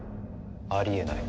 あり得ない。